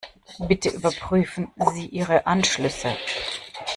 Bitte überprüfen Sie Ihre Anschlüsse.